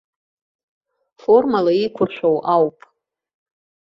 Формала еиқәыршәоу ауп.